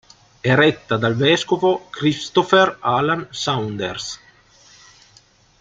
È retta dal vescovo Christopher Alan Saunders.